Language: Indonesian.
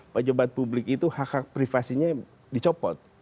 pejabat publik itu hak hak privasinya dicopot